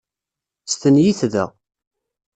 Stenyit da.